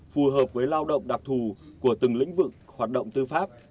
phù hợp với lao động đặc thù của từng lĩnh vực hoạt động tư pháp